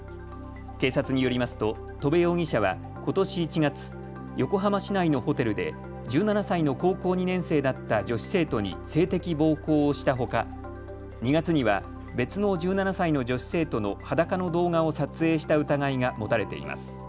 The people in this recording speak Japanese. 警察によりますと戸部容疑者はことし１月、横浜市内のホテルで１７歳の高校２年生だった女子生徒に性的暴行をしたほか２月には別の１７歳の女子生徒の裸の動画を撮影した疑いが持たれています。